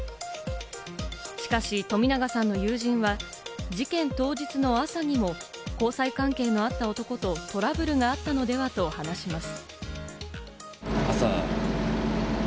しかし冨永さんの友人は事件当日の朝にも交際関係のあった男とトラブルがあったのではと話します。